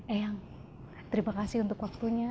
eyang terima kasih untuk waktunya